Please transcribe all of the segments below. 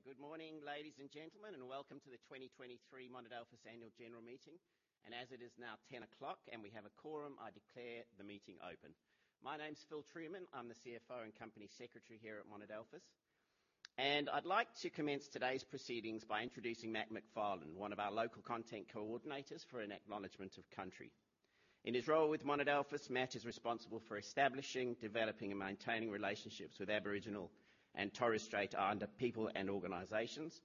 Okay, good morning, ladies and gentlemen, and welcome to the 2023 Monadelphous Annual General Meeting. As it is now 10:00 A.M. and we have a quorum, I declare the meeting open. My name's Phil Trueman. I'm the CFO and Company Secretary here at Monadelphous, and I'd like to commence today's proceedings by introducing Matt McFarlane, one of our local content coordinators, for an Acknowledgement of Country. In his role with Monadelphous, Matt is responsible for establishing, developing, and maintaining relationships with Aboriginal and Torres Strait Islander people and organizations,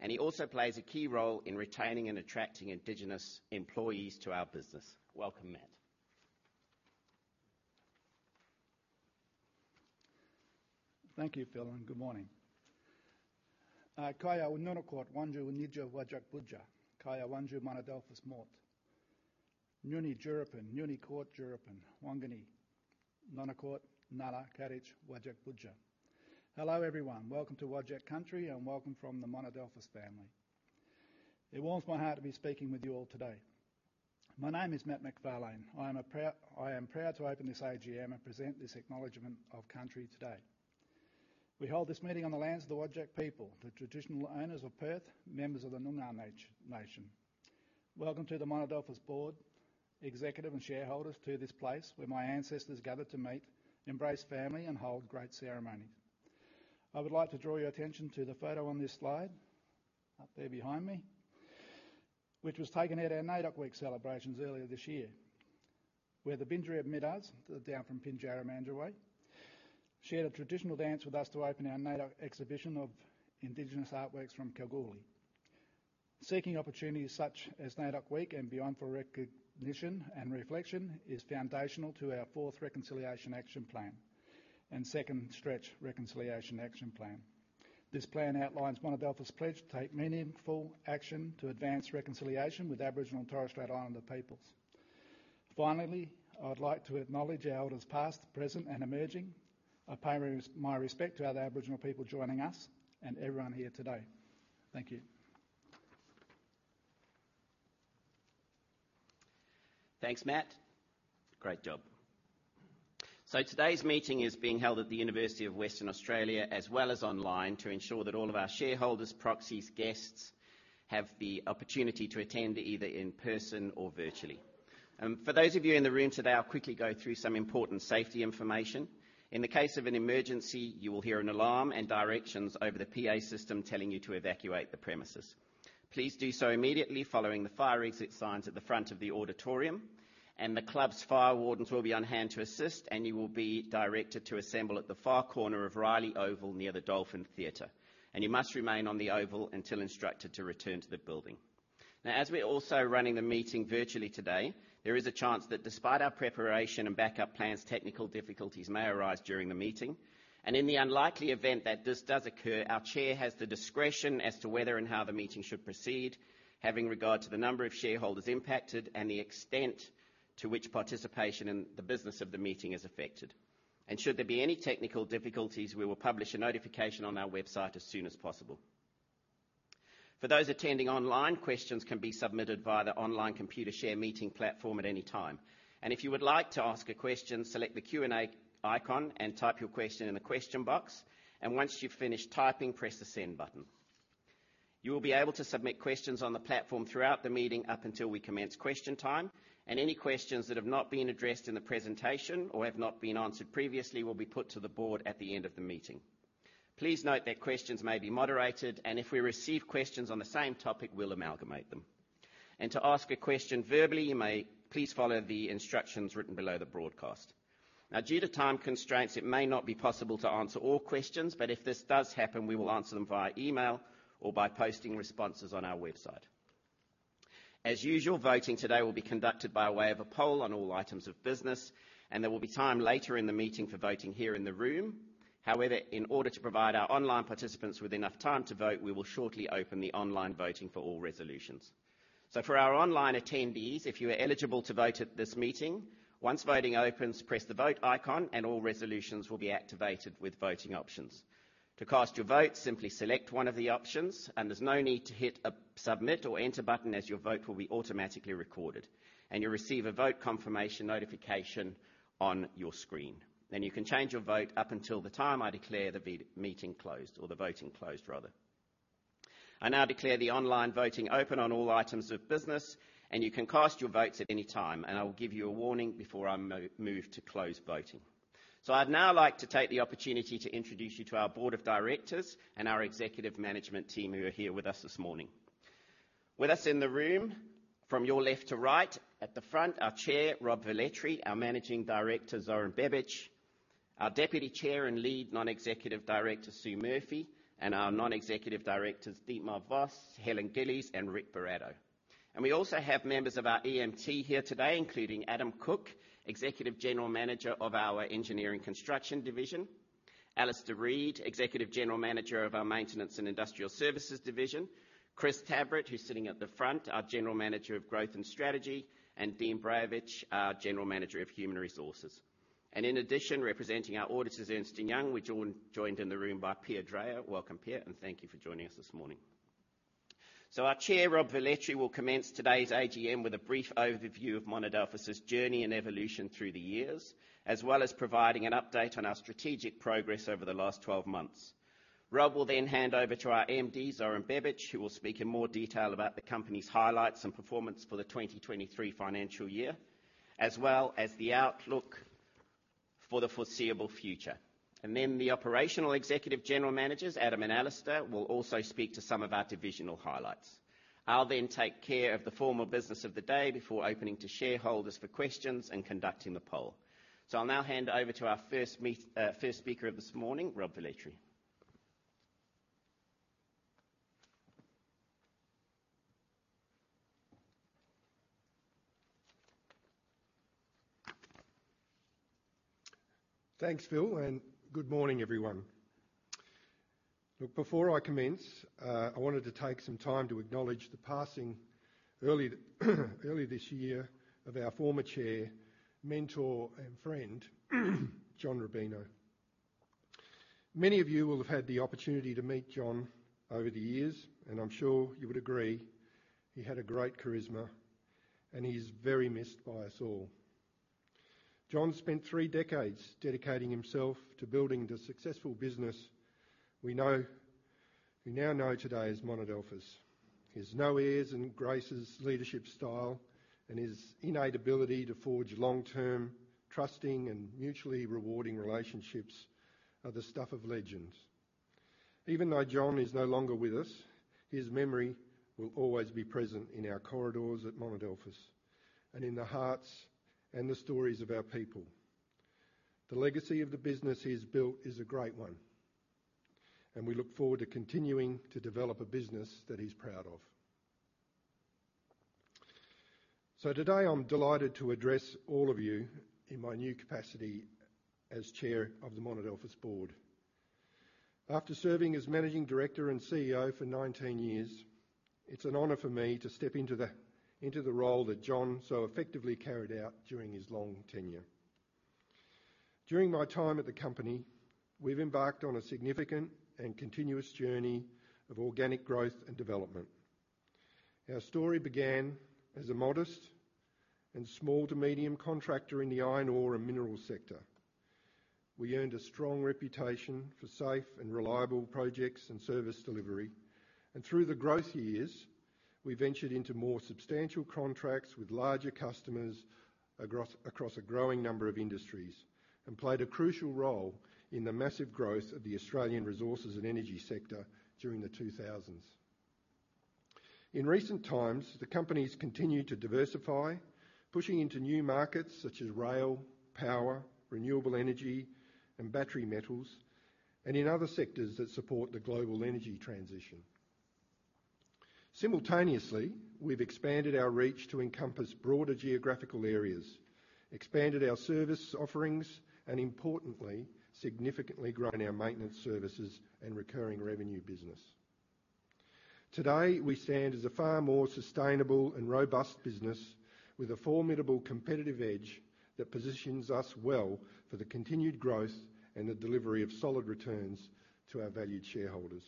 and he also plays a key role in retaining and attracting Indigenous employees to our business. Welcome, Matt. Thank you, Phil, and good morning. Kaya, Noongar Whadjuk, Whadjuk boodja. Kaya, Whadjuk, Monadelphous moort. Noony Djuripin, Noony koort djuripin. Wangni Noongar koort, ngaara kaaditj, Whadjuk boodja. Hello, everyone. Welcome to Whadjuk country, and welcome from the Monadelphous family. It warms my heart to be speaking with you all today. My name is Matt McFarlane. I am proud to open this AGM and present this acknowledgement of country today. We hold this meeting on the lands of the Whadjuk people, the traditional owners of Perth, members of the Noongar Nation. Welcome to the Monadelphous Board, Executive, and Shareholders to this place where my ancestors gathered to meet, embrace family, and hold great ceremonies. I would like to draw your attention to the photo on this slide, up there behind me, which was taken at our NAIDOC Week celebrations earlier this year, where the Bindjareb Middars, down from Pinjarra Mandurah, shared a traditional dance with us to open our NAIDOC exhibition of Indigenous artworks from Kalgoorlie. Seeking opportunities such as NAIDOC Week and beyond, for recognition and reflection, is foundational to our fourth Reconciliation Action Plan and second Stretch Reconciliation Action Plan. This plan outlines Monadelphous' pledge to take meaningful action to advance reconciliation with Aboriginal and Torres Strait Islander peoples. Finally, I would like to acknowledge our elders, past, present, and emerging. I pay my respect to other Aboriginal people joining us and everyone here today. Thank you. Thanks, Matt. Great job. So today's meeting is being held at the University of Western Australia, as well as online, to ensure that all of our shareholders, proxies, guests, have the opportunity to attend either in person or virtually. For those of you in the room today, I'll quickly go through some important safety information. In the case of an emergency, you will hear an alarm and directions over the PA system telling you to evacuate the premises. Please do so immediately, following the fire exit signs at the front of the auditorium, and the club's fire wardens will be on hand to assist, and you will be directed to assemble at the far corner of Riley Oval, near the Dolphin Theatre, and you must remain on the oval until instructed to return to the building. Now, as we're also running the meeting virtually today, there is a chance that despite our preparation and backup plans, technical difficulties may arise during the meeting. In the unlikely event that this does occur, our Chair has the discretion as to whether and how the meeting should proceed, having regard to the number of shareholders impacted and the extent to which participation in the business of the meeting is affected. Should there be any technical difficulties, we will publish a notification on our website as soon as possible. For those attending online, questions can be submitted via the online Computershare meeting platform at any time. If you would like to ask a question, select the Q&A icon and type your question in the question box, and once you've finished typing, press the Send button. You will be able to submit questions on the platform throughout the meeting, up until we commence question time, and any questions that have not been addressed in the presentation or have not been answered previously, will be put to the Board at the end of the meeting. Please note that questions may be moderated, and if we receive questions on the same topic, we'll amalgamate them. To ask a question verbally, you may please follow the instructions written below the broadcast. Now, due to time constraints, it may not be possible to answer all questions, but if this does happen, we will answer them via email or by posting responses on our website. As usual, voting today will be conducted by way of a poll on all items of business, and there will be time later in the meeting for voting here in the room. However, in order to provide our online participants with enough time to vote, we will shortly open the online voting for all resolutions. So for our online attendees, if you are eligible to vote at this meeting, once voting opens, press the Vote icon, and all resolutions will be activated with voting options. To cast your vote, simply select one of the options, and there's no need to hit a Submit or Enter button, as your vote will be automatically recorded, and you'll receive a vote confirmation notification on your screen. Then you can change your vote up until the time I declare the meeting closed, or the voting closed, rather. I now declare the online voting open on all items of business, and you can cast your votes at any time, and I will give you a warning before I move to close voting. So I'd now like to take the opportunity to introduce you to our Board of directors and our executive management team, who are here with us this morning. With us in the room, from your left to right, at the front, our Chair, Rob Velletri, our Managing Director, Zoran Bebic, our Deputy Chair and Lead Non-Executive Director, Sue Murphy, and our Non-Executive Directors, Dietmar Voss, Helen Gillies, and Ric Buratto. And we also have members of our EMT here today, including Adam Cook, Executive General Manager of our Engineering Construction division, Alistair Reid, Executive General Manager of our Maintenance and Industrial Services division, Chris Tabrett, who's sitting at the front, our General Manager of Growth and Strategy, and Dean Brajovic, our General Manager of Human Resources. And in addition, representing our auditors, Ernst & Young, we're joined in the room by Pia Dreyer. Welcome, Pia, and thank you for joining us this morning. So our Chair, Rob Velletri, will commence today's AGM with a brief overview of Monadelphous' journey and evolution through the years, as well as providing an update on our strategic progress over the last 12 months. Rob will then hand over to our MD, Zoran Bebic, who will speak in more detail about the company's highlights and performance for the 2023 financial year, as well as the outlook for the foreseeable future. And then the operational Executive General Managers, Adam and Alistair, will also speak to some of our divisional highlights. I'll then take care of the formal business of the day before opening to shareholders for questions and conducting the poll. So I'll now hand over to our first speaker of this morning, Rob Velletri. Thanks, Phil, and good morning, everyone. Look, before I commence, I wanted to take some time to acknowledge the passing early, early this year of our former Chair, mentor, and friend, John Rubino. Many of you will have had the opportunity to meet John over the years, and I'm sure you would agree, he had a great charisma, and he's very missed by us all. John spent three decades dedicating himself to building the successful business we know, we now know today as Monadelphous. His no-nonsense and gracious leadership style, and his innate ability to forge long-term, trusting, and mutually rewarding relationships are the stuff of legends. Even though John is no longer with us, his memory will always be present in our corridors at Monadelphous and in the hearts and the stories of our people. The legacy of the business he's built is a great one, and we look forward to continuing to develop a business that he's proud of. So today, I'm delighted to address all of you in my new capacity as Chair of the Monadelphous Board. After serving as Managing Director and CEO for 19 years, it's an honor for me to step into the role that John so effectively carried out during his long tenure. During my time at the company, we've embarked on a significant and continuous journey of organic growth and development. Our story began as a modest and small to medium contractor in the iron ore and mineral sector. We earned a strong reputation for safe and reliable projects and service delivery, and through the growth years, we ventured into more substantial contracts with larger customers across a growing number of industries and played a crucial role in the massive growth of the Australian resources and energy sector during the 2000s. In recent times, the company's continued to diversify, pushing into new markets such as rail, power, renewable energy, and battery metals, and in other sectors that support the global energy transition. Simultaneously, we've expanded our reach to encompass broader geographical areas, expanded our service offerings, and importantly, significantly grown our maintenance services and recurring revenue business. Today, we stand as a far more sustainable and robust business with a formidable competitive edge that positions us well for the continued growth and the delivery of solid returns to our valued shareholders.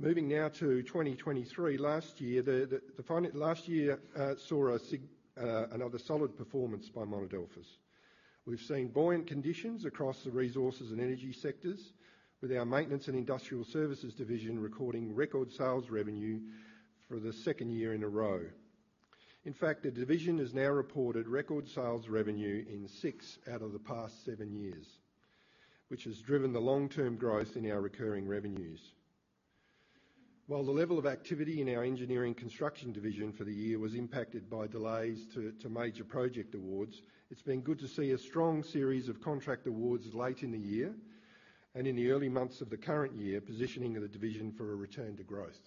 Moving now to 2023. Last year saw another solid performance by Monadelphous. We've seen buoyant conditions across the resources and energy sectors, with our maintenance and industrial services division recording record sales revenue for the second year in a row. In fact, the division has now reported record sales revenue in six out of the past seven years, which has driven the long-term growth in our recurring revenues. While the level of activity in our engineering construction division for the year was impacted by delays to major project awards, it's been good to see a strong series of contract awards late in the year and in the early months of the current year, positioning the division for a return to growth.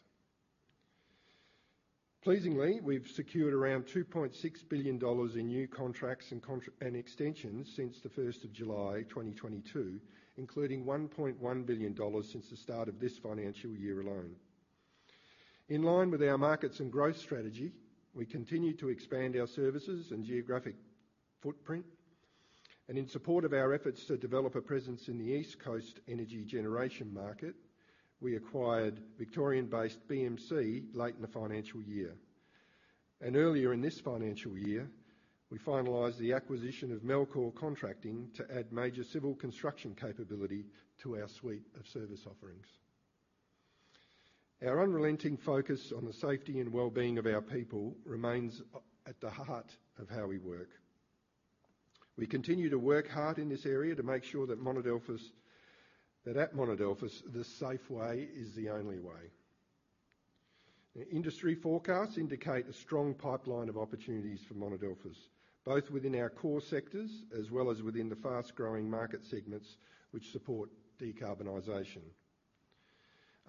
Pleasingly, we've secured around 2.6 billion dollars in new contracts and contract, and extensions since the first of July 2022, including AUD 1.1 billion since the start of this financial year alone. In line with our markets and growth strategy, we continue to expand our services and geographic footprint, and in support of our efforts to develop a presence in the East Coast energy generation market, we acquired Victorian-based BMC late in the financial year. Earlier in this financial year, we finalized the acquisition of Melcor Contracting to add major civil construction capability to our suite of service offerings. Our unrelenting focus on the safety and well-being of our people remains at the heart of how we work. We continue to work hard in this area to make sure that at Monadelphous, the safe way is the only way. The industry forecasts indicate a strong pipeline of opportunities for Monadelphous, both within our core sectors as well as within the fast-growing market segments which support decarbonization.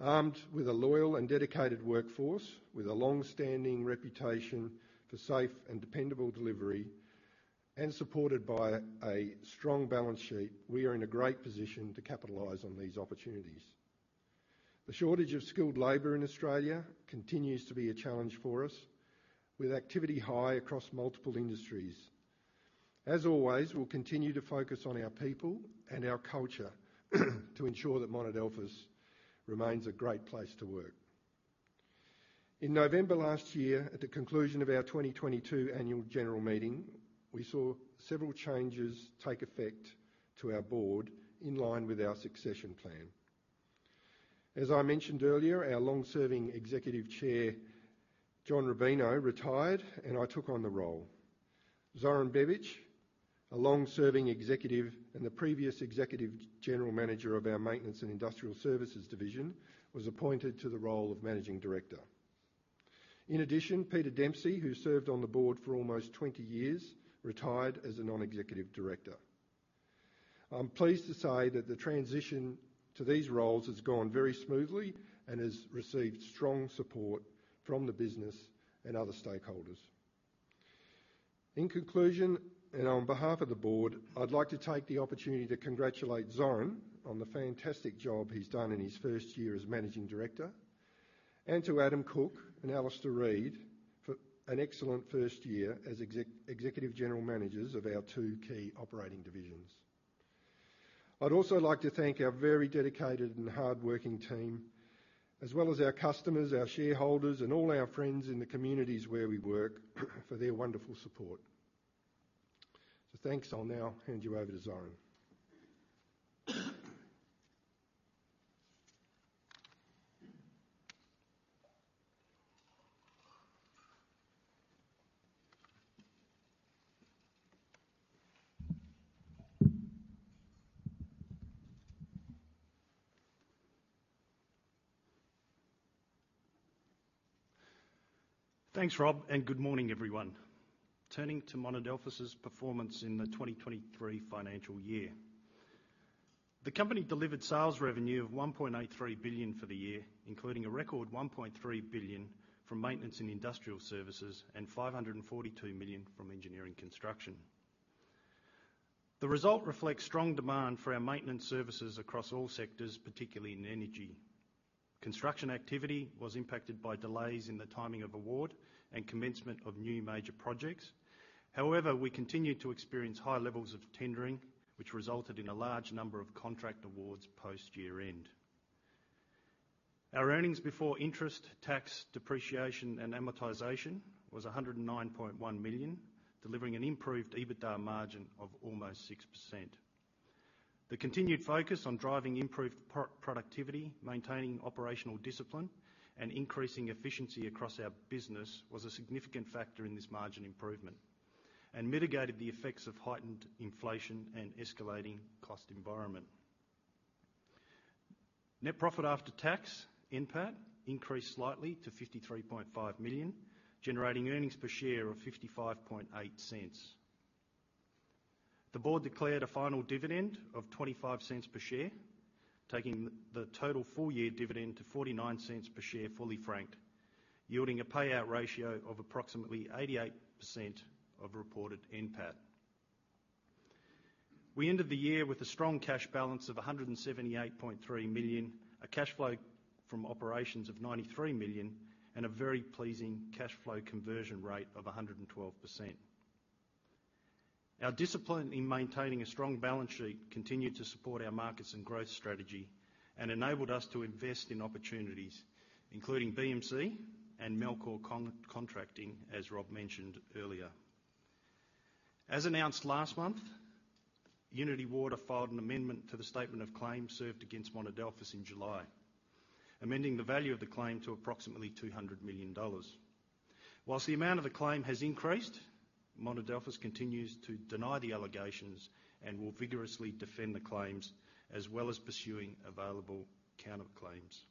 Armed with a loyal and dedicated workforce, with a long-standing reputation for safe and dependable delivery, and supported by a strong balance sheet, we are in a great position to capitalize on these opportunities. The shortage of skilled labor in Australia continues to be a challenge for us, with activity high across multiple industries.... As always, we'll continue to focus on our people and our culture, to ensure that Monadelphous remains a great place to work. In November last year, at the conclusion of our 2022 annual general meeting, we saw several changes take effect to our Board in line with our succession plan. As I mentioned earlier, our long-serving Executive Chair, John Rubino, retired, and I took on the role. Zoran Bebic, a long-serving executive and the previous Executive General Manager of our Maintenance and Industrial Services division, was appointed to the role of Managing Director. In addition, Peter Dempsey, who served on the Board for almost 20 years, retired as a Non-Executive Director. I'm pleased to say that the transition to these roles has gone very smoothly and has received strong support from the business and other stakeholders. In conclusion, and on behalf of the Board, I'd like to take the opportunity to congratulate Zoran on the fantastic job he's done in his first year as Managing Director, and to Adam Cook and Alistair Reid for an excellent first year as Executive General Managers of our two key operating divisions. I'd also like to thank our very dedicated and hardworking team, as well as our customers, our shareholders, and all our friends in the communities where we work, for their wonderful support. So thanks. I'll now hand you over to Zoran. Thanks, Rob, and good morning, everyone. Turning to Monadelphous' performance in the 2023 financial year. The company delivered sales revenue of AUD 1.83 billion for the year, including a record AUD 1.3 billion from Maintenance and Industrial Services and AUD 542 million from Engineering Construction. The result reflects strong demand for our maintenance services across all sectors, particularly in energy. Construction activity was impacted by delays in the timing of award and commencement of new major projects. However, we continued to experience high levels of tendering, which resulted in a large number of contract awards post year-end. Our earnings before interest, tax, depreciation, and amortization was 109.1 million, delivering an improved EBITDA margin of almost 6%. The continued focus on driving improved productivity, maintaining operational discipline, and increasing efficiency across our business was a significant factor in this margin improvement and mitigated the effects of heightened inflation and escalating cost environment. Net profit after tax, NPAT, increased slightly to 53.5 million, generating earnings per share of 0.558. The Board declared a final dividend of 0.25 per share, taking the total full year dividend to 0.49 per share, fully franked, yielding a payout ratio of approximately 88% of reported NPAT. We ended the year with a strong cash balance of 178.3 million, a cash flow from operations of 93 million, and a very pleasing cash flow conversion rate of 112%. Our discipline in maintaining a strong balance sheet continued to support our markets and growth strategy and enabled us to invest in opportunities, including BMC and Melcor Contracting, as Rob mentioned earlier. As announced last month, Unity Water filed an amendment to the statement of claim served against Monadelphous in July, amending the value of the claim to approximately 200 million dollars. While the amount of the claim has increased, Monadelphous continues to deny the allegations and will vigorously defend the claims, as well as pursuing available counterclaims.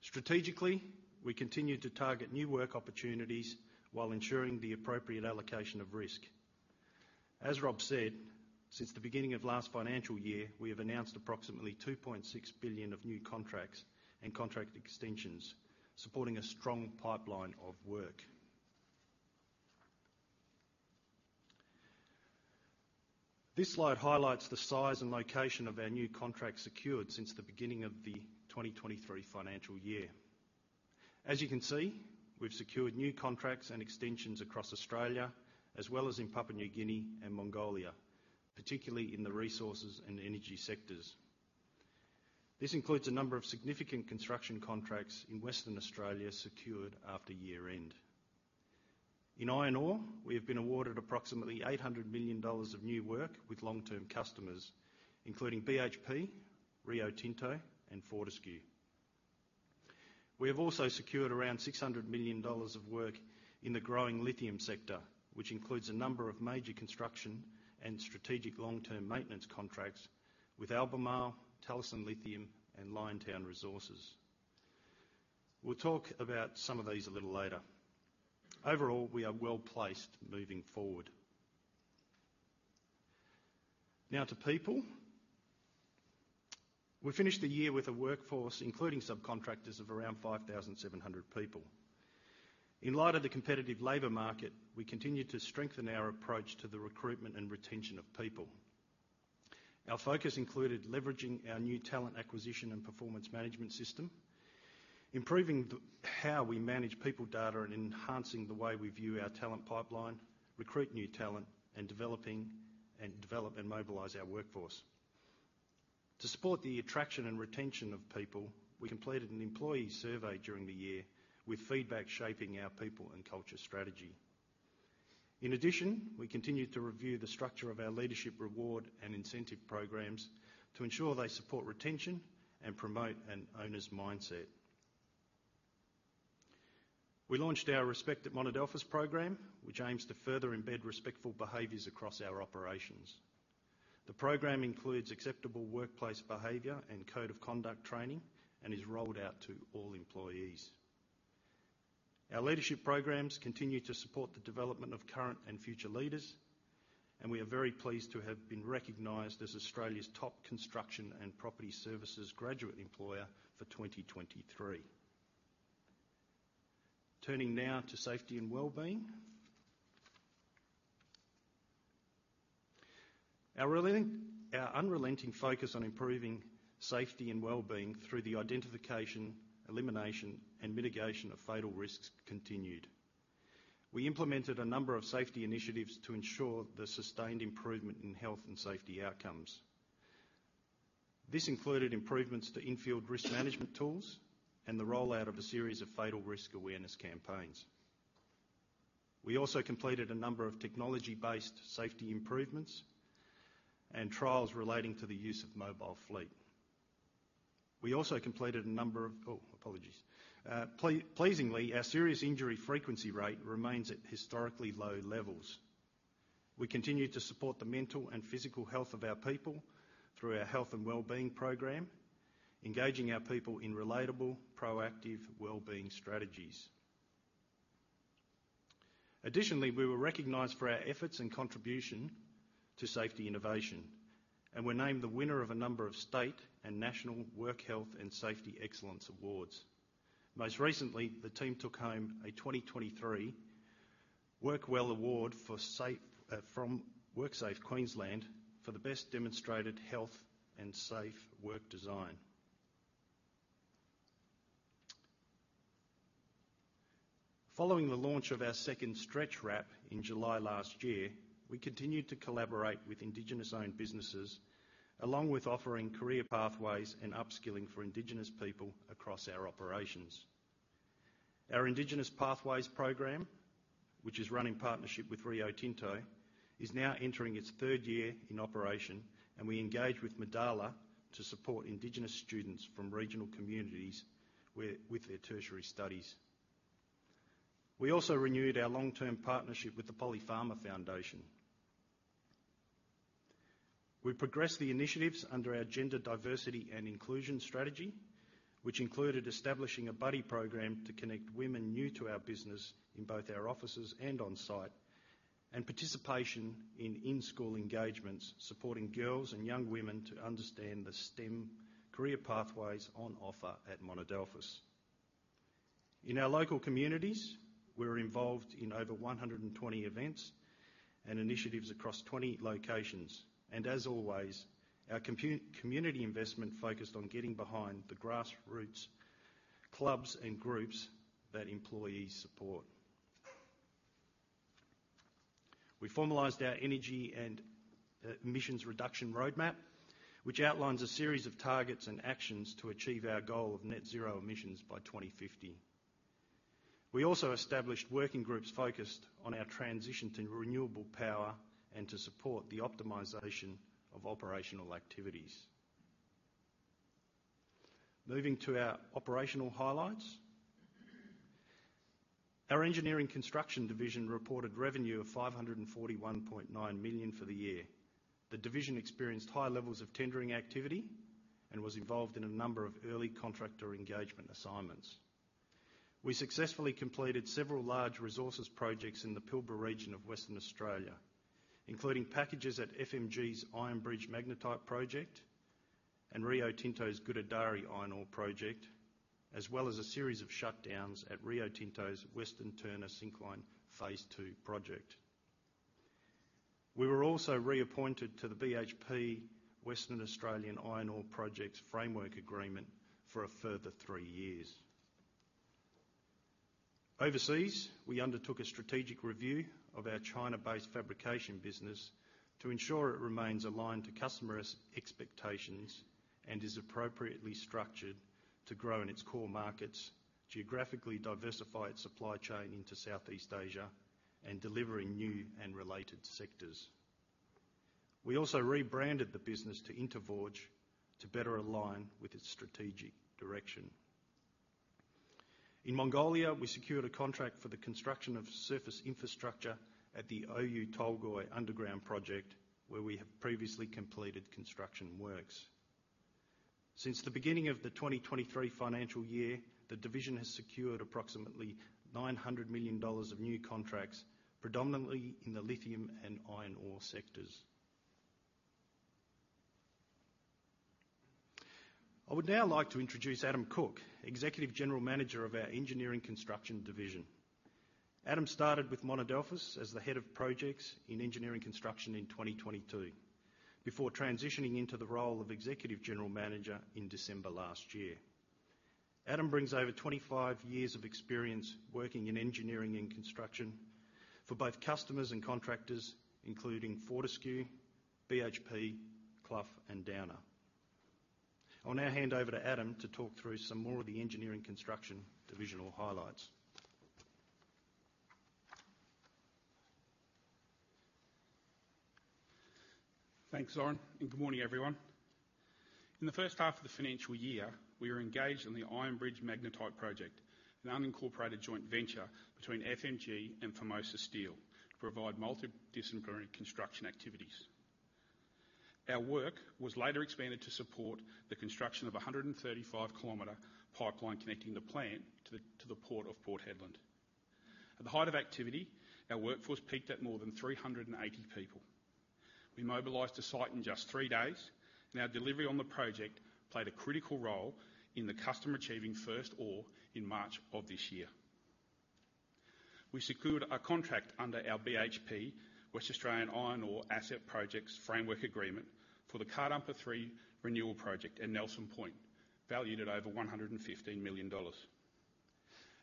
Strategically, we continued to target new work opportunities while ensuring the appropriate allocation of risk. As Rob said, since the beginning of last financial year, we have announced approximately 2.6 billion of new contracts and contract extensions, supporting a strong pipeline of work. This slide highlights the size and location of our new contracts secured since the beginning of the 2023 financial year. As you can see, we've secured new contracts and extensions across Australia, as well as in Papua New Guinea and Mongolia, particularly in the resources and energy sectors. This includes a number of significant construction contracts in Western Australia, secured after year-end. In iron ore, we have been awarded approximately 800 million dollars of new work with long-term customers, including BHP, Rio Tinto, and Fortescue. We have also secured around 600 million dollars of work in the growing lithium sector, which includes a number of major construction and strategic long-term maintenance contracts with Albemarle, Talison Lithium, and Liontown Resources. We'll talk about some of these a little later. Overall, we are well-placed moving forward. Now to people. We finished the year with a workforce, including subcontractors, of around 5,700 people. In light of the competitive labor market, we continued to strengthen our approach to the recruitment and retention of people. Our focus included leveraging our new talent acquisition and performance management system, improving how we manage people data, and enhancing the way we view our talent pipeline, recruit new talent, and develop and mobilize our workforce. To support the attraction and retention of people, we completed an employee survey during the year, with feedback shaping our people and culture strategy. In addition, we continued to review the structure of our leadership reward and incentive programs to ensure they support retention and promote an owner's mindset. We launched our Respect at Monadelphous program, which aims to further embed respectful behaviors across our operations. The program includes acceptable workplace behavior and code of conduct training and is rolled out to all employees. Our leadership programs continue to support the development of current and future leaders, and we are very pleased to have been recognized as Australia's top construction and property services graduate employer for 2023. Turning now to safety and wellbeing. Our unrelenting focus on improving safety and wellbeing through the identification, elimination, and mitigation of fatal risks continued. We implemented a number of safety initiatives to ensure the sustained improvement in health and safety outcomes. This included improvements to infield risk management tools and the rollout of a series of fatal risk awareness campaigns. We also completed a number of technology-based safety improvements and trials relating to the use of mobile fleet. We also completed a number of... Oh, apologies. Pleasingly, our serious injury frequency rate remains at historically low levels. We continue to support the mental and physical health of our people through our health and well-being program, engaging our people in relatable, proactive well-being strategies. Additionally, we were recognized for our efforts and contribution to safety innovation, and were named the winner of a number of state and national Work Health and Safety Excellence Awards. Most recently, the team took home a 2023 Work Well Award from WorkSafe Queensland for the best demonstrated health and safe work design. Following the launch of our second Stretch RAP in July last year, we continued to collaborate with Indigenous-owned businesses, along with offering career pathways and upskilling for Indigenous people across our operations. Our Indigenous Pathways Program, which is run in partnership with Rio Tinto, is now entering its third year in operation, and we engage with MADALAH to support Indigenous students from regional communities with their tertiary studies. We also renewed our long-term partnership with the Polly Farmer Foundation. We progressed the initiatives under our gender diversity and inclusion strategy, which included establishing a buddy program to connect women new to our business in both our offices and on-site, and participation in in-school engagements, supporting girls and young women to understand the STEM career pathways on offer at Monadelphous. In our local communities, we're involved in over 120 events and initiatives across 20 locations, and as always, our community investment focused on getting behind the grassroots clubs and groups that employees support. We formalized our energy and emissions reduction roadmap, which outlines a series of targets and actions to achieve our goal of net zero emissions by 2050. We also established working groups focused on our transition to renewable power and to support the optimization of operational activities. Moving to our operational highlights. Our Engineering Construction division reported revenue of 541.9 million for the year. The division experienced high levels of tendering activity and was involved in a number of early contractor engagement assignments. We successfully completed several large resources projects in the Pilbara region of Western Australia, including packages at FMG's Iron Bridge Magnetite project and Rio Tinto's Gudai-Darri iron ore project, as well as a series of shutdowns at Rio Tinto's Western Turner Syncline phase II project. We were also reappointed to the BHP Western Australian Iron Ore Projects Framework Agreement for a further three years. Overseas, we undertook a strategic review of our China-based fabrication business to ensure it remains aligned to customer expectations and is appropriately structured to grow in its core markets, geographically diversify its supply chain into Southeast Asia, and deliver in new and related sectors. We also rebranded the business to Interforge to better align with its strategic direction. In Mongolia, we secured a contract for the construction of surface infrastructure at the Oyu Tolgoi underground project, where we have previously completed construction works. Since the beginning of the 2023 financial year, the division has secured approximately 900 million dollars of new contracts, predominantly in the lithium and iron ore sectors.... I would now like to introduce Adam Cook, Executive General Manager of our Engineering Construction division. Adam started with Monadelphous as the Head of Projects in Engineering Construction in 2022, before transitioning into the role of Executive General Manager in December last year. Adam brings over 25 years of experience working in engineering and construction for both customers and contractors, including Fortescue, BHP, Clough, and Downer. I'll now hand over to Adam to talk through some more of the engineering construction divisional highlights. Thanks, Zoran, and good morning, everyone. In the first half of the financial year, we were engaged in the Iron Bridge Magnetite project, an unincorporated joint venture between FMG and Formosa Steel, to provide multidisciplinary construction activities. Our work was later expanded to support the construction of a 135-kilometer pipeline connecting the plant to the Port Hedland. At the height of activity, our workforce peaked at more than 380 people. We mobilized the site in just three days, and our delivery on the project played a critical role in the customer achieving first ore in March of this year. We secured a contract under our BHP West Australian Iron Ore Asset Projects framework agreement for the Car Dumper 3 renewal project at Nelson Point, valued at over AUD 115 million.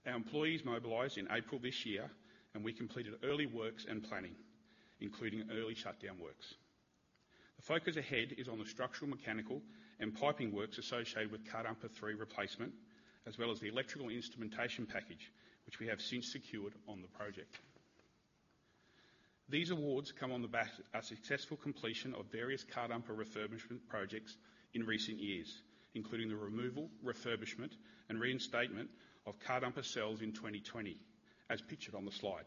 Our employees mobilized in April this year, and we completed early works and planning, including early shutdown works. The focus ahead is on the structural, mechanical, and piping works associated with Car Dumper 3 replacement, as well as the electrical instrumentation package, which we have since secured on the project. These awards come on the back of our successful completion of various Car Dumper refurbishment projects in recent years, including the removal, refurbishment, and reinstatement of Car Dumper cells in 2020, as pictured on the slide.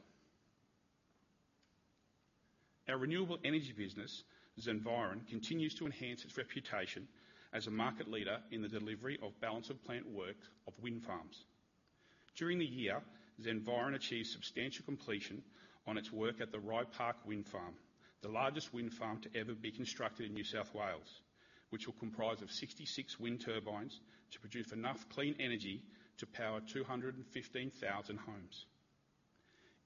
Our renewable energy business, Zenviron, continues to enhance its reputation as a market leader in the delivery of balance of plant work of wind farms. During the year, Zenviron achieved substantial completion on its work at the Rye Park Wind Farm, the largest wind farm to ever be constructed in New South Wales, which will comprise of 66 wind turbines to produce enough clean energy to power 215,000 homes.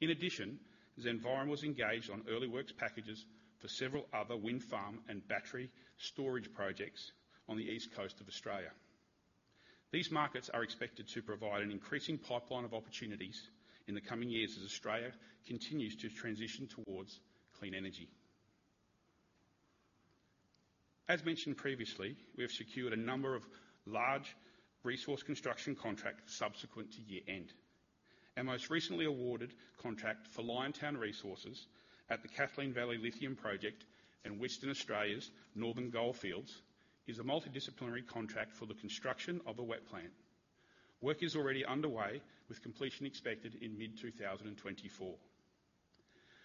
In addition, Zenviron was engaged on early works packages for several other wind farm and battery storage projects on the East Coast of Australia. These markets are expected to provide an increasing pipeline of opportunities in the coming years, as Australia continues to transition towards clean energy. As mentioned previously, we have secured a number of large resource construction contracts subsequent to year-end. Our most recently awarded contract for Liontown Resources at the Kathleen Valley Lithium Project in Western Australia's Northern Goldfields, is a multidisciplinary contract for the construction of a wet plant. Work is already underway, with completion expected in mid-2024.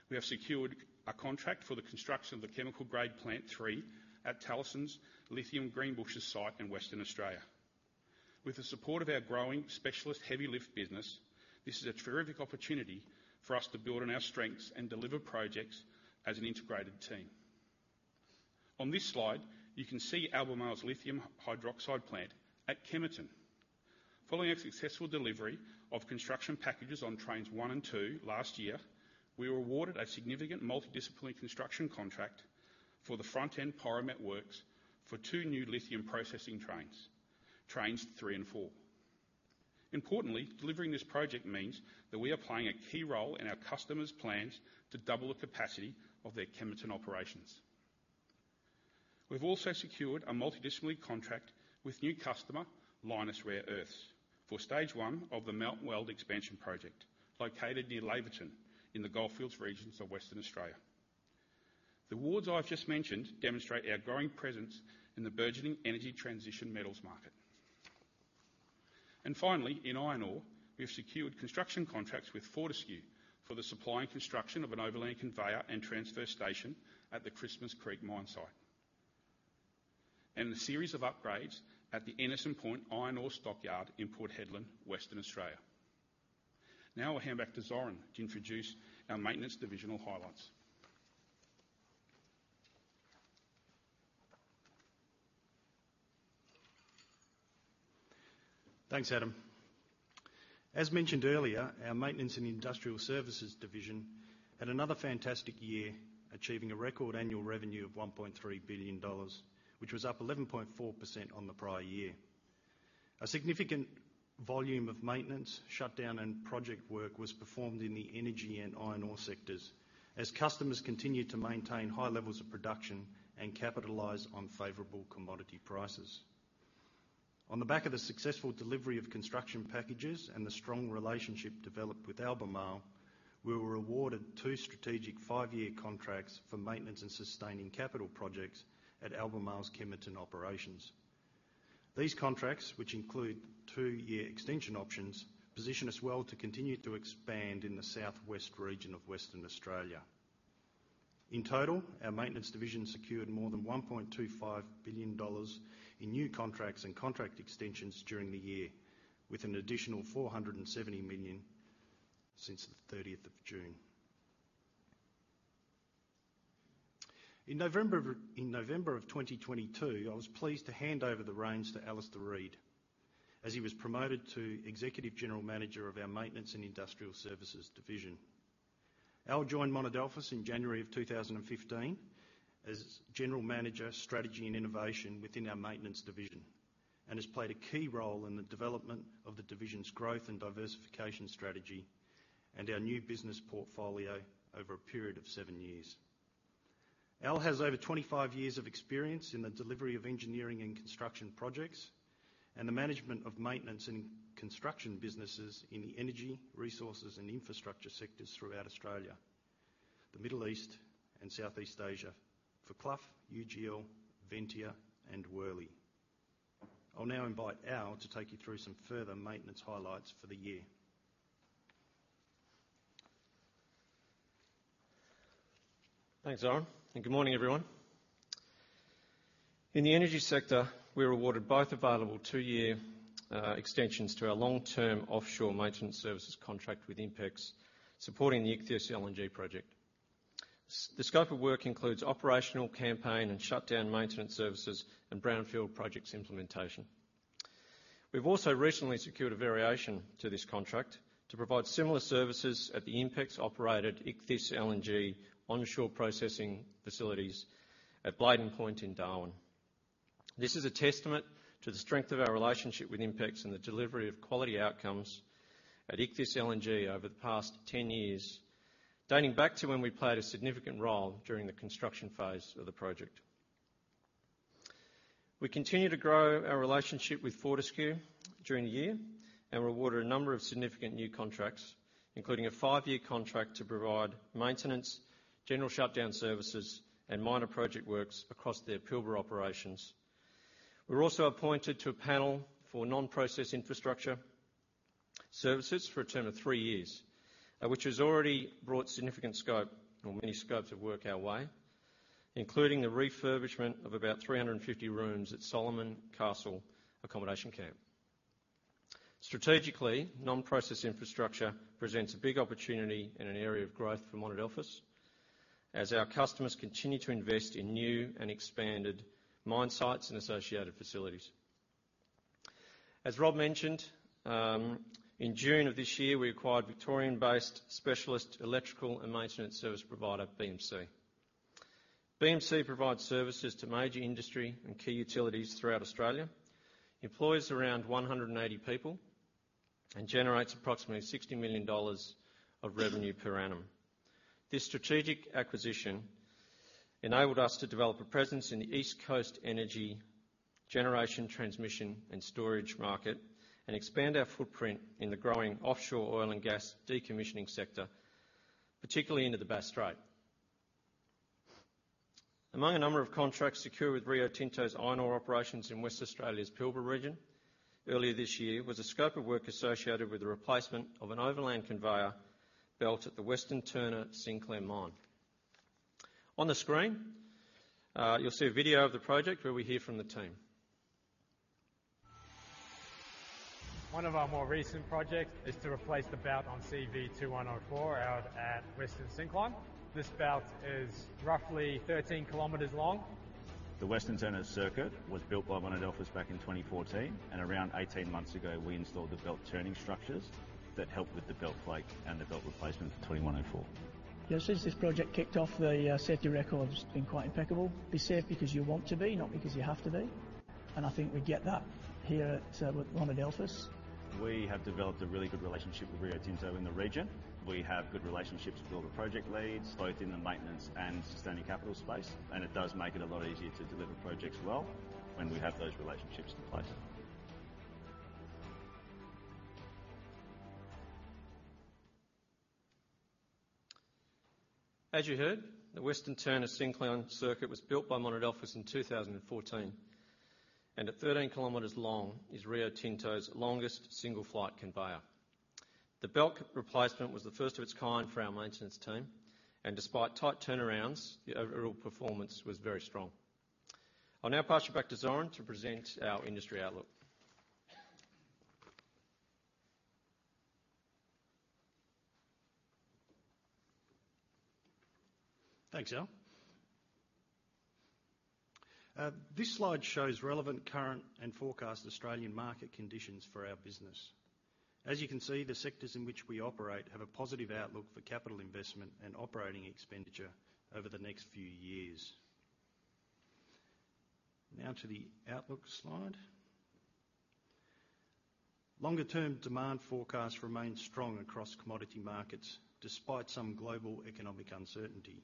We have secured a contract for the construction of the Chemical Grade Plant 3 at Talison Lithium's Greenbushes site in Western Australia. With the support of our growing specialist heavy lift business, this is a terrific opportunity for us to build on our strengths and deliver projects as an integrated team. On this slide, you can see Albemarle's lithium hydroxide plant at Kemerton. Following a successful delivery of construction packages on Train 1 and Train 2 last year, we were awarded a significant multidisciplinary construction contract for the front-end pyromet works for two new lithium processing trains, Train 3 and Train 4. Importantly, delivering this project means that we are playing a key role in our customers' plans to double the capacity of their Kemerton operations. We've also secured a multidisciplinary contract with new customer, Lynas Rare Earths, for stage one of the Mount Weld expansion project, located near Laverton in the Goldfields regions of Western Australia. The awards I've just mentioned demonstrate our growing presence in the burgeoning energy transition metals market. And finally, in iron ore, we have secured construction contracts with Fortescue for the supply and construction of an overland conveyor and transfer station at the Christmas Creek mine site, and a series of upgrades at the Anderson Point iron ore stockyard in Port Hedland, Western Australia. Now I'll hand back to Zoran to introduce our maintenance divisional highlights. Thanks, Adam. As mentioned earlier, our Maintenance and Industrial Services division had another fantastic year, achieving a record annual revenue of 1.3 billion dollars, which was up 11.4% on the prior year. A significant volume of maintenance, shutdown, and project work was performed in the energy and iron ore sectors, as customers continued to maintain high levels of production and capitalize on favorable commodity prices. On the back of the successful delivery of construction packages and the strong relationship developed with Albemarle, we were awarded two strategic five-year contracts for maintenance and sustaining capital projects at Albemarle's Kemerton operations. These contracts, which include two-year extension options, position us well to continue to expand in the southwest region of Western Australia. In total, our Maintenance division secured more than 1.25 billion dollars in new contracts and contract extensions during the year, with an additional 470 million since the 30th of June. In November 2022, I was pleased to hand over the reins to Alastair Reid, as he was promoted to Executive General Manager of our Maintenance and Industrial Services division. Al joined Monadelphous in January 2015 as General Manager, Strategy and Innovation within our Maintenance division, and has played a key role in the development of the division's growth and diversification strategy, and our new business portfolio over a period of 7 years. Al has over 25 years of experience in the delivery of engineering and construction projects, and the management of maintenance and construction businesses in the energy, resources, and infrastructure sectors throughout Australia, the Middle East, and Southeast Asia for Clough, UGL, Ventia, and Worley. I'll now invite Al to take you through some further maintenance highlights for the year. Thanks, Zoran, and good morning, everyone. In the energy sector, we were awarded both available two-year extensions to our long-term offshore maintenance services contract with Inpex, supporting the Ichthys LNG project. The scope of work includes operational, campaign, and shutdown maintenance services and brownfield projects implementation. We've also recently secured a variation to this contract to provide similar services at the Inpex-operated Ichthys LNG Onshore processing facilities at Bladin Point in Darwin. This is a testament to the strength of our relationship with Inpex and the delivery of quality outcomes at Ichthys LNG over the past 10 years, dating back to when we played a significant role during the construction phase of the project. We continued to grow our relationship with Fortescue during the year and were awarded a number of significant new contracts, including a 5-year contract to provide maintenance, general shutdown services, and minor project works across their Pilbara operations. We were also appointed to a panel for non-process infrastructure services for a term of 3 years, which has already brought significant scope or many scopes of work our way, including the refurbishment of about 350 rooms at Solomon Camp accommodation camp. Strategically, non-process infrastructure presents a big opportunity and an area of growth for Monadelphous, as our customers continue to invest in new and expanded mine sites and associated facilities. As Rob mentioned, in June of this year, we acquired Victorian-based specialist electrical and maintenance service provider, BMC. BMC provides services to major industry and key utilities throughout Australia, employs around 180 people, and generates approximately 60 million dollars of revenue per annum. This strategic acquisition enabled us to develop a presence in the East Coast energy generation, transmission, and storage market, and expand our footprint in the growing offshore oil and gas decommissioning sector, particularly into the Bass Strait. Among a number of contracts secured with Rio Tinto's iron ore operations in Western Australia's Pilbara region, earlier this year was a scope of work associated with the replacement of an overland conveyor belt at the Western Turner Syncline mine. On the screen, you'll see a video of the project where we hear from the team. One of our more recent projects is to replace the belt on CV2104 out at Western Turner Syncline. This belt is roughly 13 kilometers long. The Western Turner Syncline was built by Monadelphous back in 2014, and around 18 months ago, we installed the belt turning structures that helped with the belt flight and the belt replacement for 2104. Yeah, since this project kicked off, the safety record has been quite impeccable. "Be safe because you want to be, not because you have to be," and I think we get that here at Monadelphous. We have developed a really good relationship with Rio Tinto in the region. We have good relationships with all the project leads, both in the maintenance and sustaining capital space, and it does make it a lot easier to deliver projects well when we have those relationships in place. As you heard, the Western Turner Syncline circuit was built by Monadelphous in 2014, and at 13 kilometers long is Rio Tinto's longest single-flight conveyor. The belt replacement was the first of its kind for our maintenance team, and despite tight turnarounds, the overall performance was very strong. I'll now pass you back to Zoran to present our industry outlook. Thanks, Al. This slide shows relevant current and forecast Australian market conditions for our business. As you can see, the sectors in which we operate have a positive outlook for capital investment and operating expenditure over the next few years. Now to the outlook slide. Longer-term demand forecasts remain strong across commodity markets, despite some global economic uncertainty.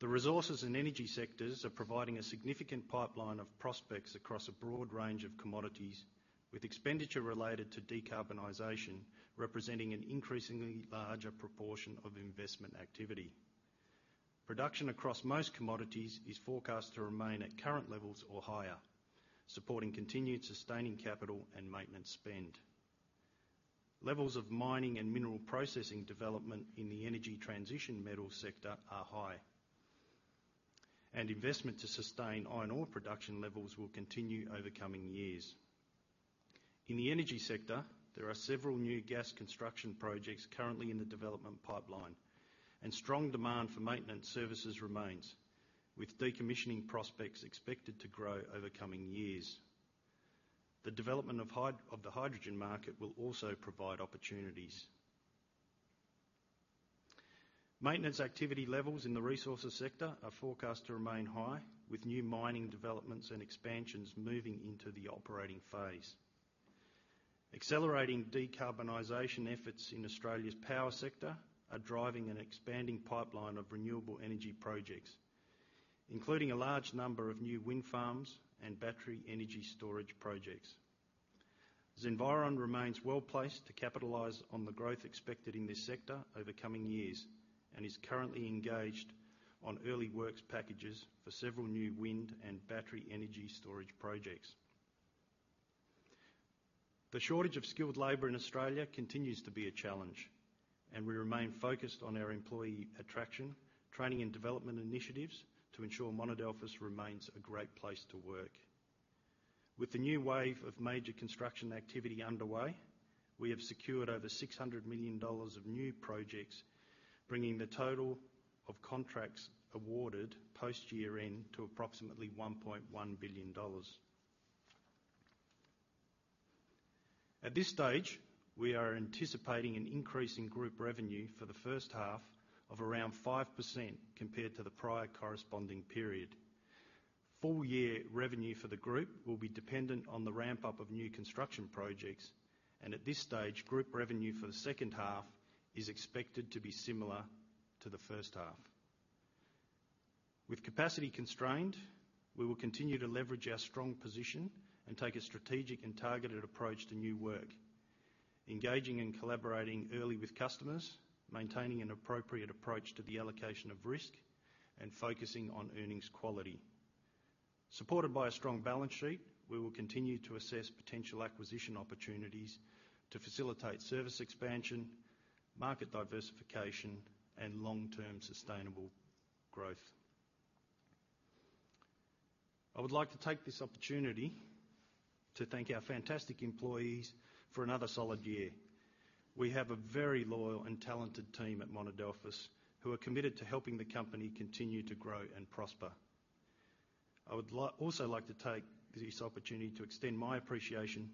The resources and energy sectors are providing a significant pipeline of prospects across a broad range of commodities, with expenditure related to decarbonization representing an increasingly larger proportion of investment activity. Production across most commodities is forecast to remain at current levels or higher, supporting continued sustaining capital and maintenance spend. Levels of mining and mineral processing development in the energy transition metal sector are high, and investment to sustain iron ore production levels will continue over coming years.... In the energy sector, there are several new gas construction projects currently in the development pipeline, and strong demand for maintenance services remains, with decommissioning prospects expected to grow over coming years. The development of the hydrogen market will also provide opportunities. Maintenance activity levels in the resources sector are forecast to remain high, with new mining developments and expansions moving into the operating phase. Accelerating decarbonization efforts in Australia's power sector are driving an expanding pipeline of renewable energy projects, including a large number of new wind farms and battery energy storage projects. Zenviron remains well-placed to capitalize on the growth expected in this sector over coming years, and is currently engaged on early works packages for several new wind and battery energy storage projects. The shortage of skilled labor in Australia continues to be a challenge, and we remain focused on our employee attraction, training, and development initiatives to ensure Monadelphous remains a great place to work. With the new wave of major construction activity underway, we have secured over 600 million dollars of new projects, bringing the total of contracts awarded post year-end to approximately AUD 1.1 billion. At this stage, we are anticipating an increase in group revenue for the first half of around 5% compared to the prior corresponding period. Full year revenue for the group will be dependent on the ramp-up of new construction projects, and at this stage, group revenue for the second half is expected to be similar to the first half. With capacity constrained, we will continue to leverage our strong position and take a strategic and targeted approach to new work, engaging and collaborating early with customers, maintaining an appropriate approach to the allocation of risk, and focusing on earnings quality. Supported by a strong balance sheet, we will continue to assess potential acquisition opportunities to facilitate service expansion, market diversification, and long-term sustainable growth. I would like to take this opportunity to thank our fantastic employees for another solid year. We have a very loyal and talented team at Monadelphous who are committed to helping the company continue to grow and prosper. I would also like to take this opportunity to extend my appreciation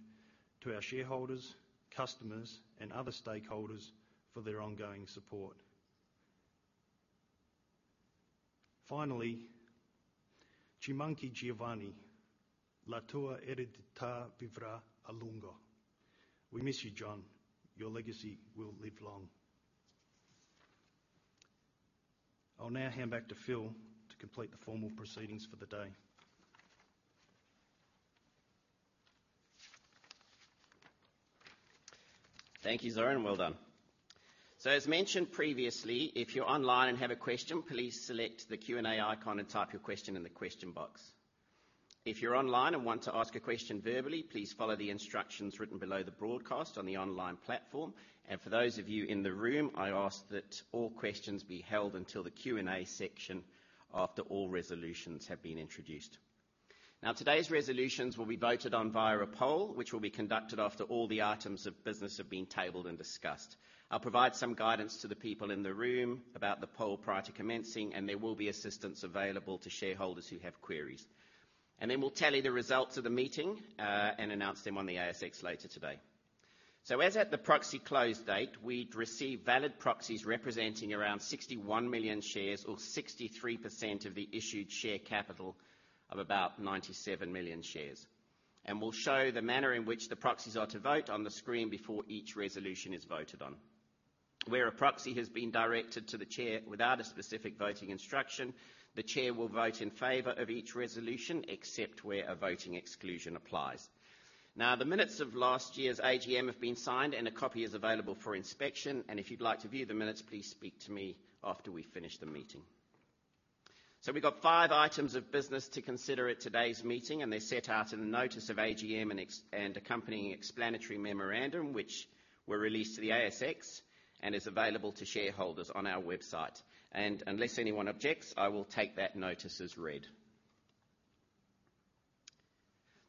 to our shareholders, customers, and other stakeholders for their ongoing support. Finally, Ci manchi, Giovanni. La tua eredità vivrà a lungo. We miss you, John. Your legacy will live long. I'll now hand back to Phil to complete the formal proceedings for the day. Thank you, Zoran, and well done. So as mentioned previously, if you're online and have a question, please select the Q&A icon and type your question in the question box. If you're online and want to ask a question verbally, please follow the instructions written below the broadcast on the online platform. And for those of you in the room, I ask that all questions be held until the Q&A section after all resolutions have been introduced. Now, today's resolutions will be voted on via a poll, which will be conducted after all the items of business have been tabled and discussed. I'll provide some guidance to the people in the room about the poll prior to commencing, and there will be assistance available to shareholders who have queries. And then we'll tell you the results of the meeting, and announce them on the ASX later today. As at the proxy close date, we'd received valid proxies representing around 61 million shares or 63% of the issued share capital of about 97 million shares. We'll show the manner in which the proxies are to vote on the screen before each resolution is voted on. Where a proxy has been directed to the Chair without a specific voting instruction, the Chair will vote in favor of each resolution, except where a voting exclusion applies. Now, the minutes of last year's AGM have been signed, and a copy is available for inspection, and if you'd like to view the minutes, please speak to me after we finish the meeting. So we've got five items of business to consider at today's meeting, and they're set out in the notice of AGM and the accompanying explanatory memorandum, which were released to the ASX and is available to shareholders on our website. And unless anyone objects, I will take that notice as read.